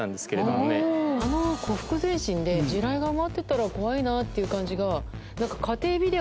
あのほふく前進で地雷が埋まってたら怖いなっていう感じが。